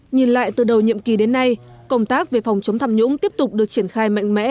nhìn lại từ đầu nhiệm kỳ đến nay công tác về phòng chống tham nhũng tiếp tục được triển khai mạnh mẽ